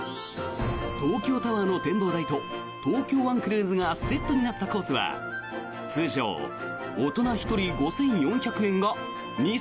東京タワーの展望台と東京湾クルーズがセットになったコースは通常、大人１人５４００円が２９００円。